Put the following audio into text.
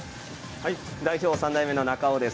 代表３代目の中尾です。